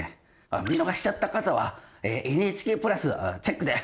あっ見逃しちゃった方はＮＨＫプラスチェックで！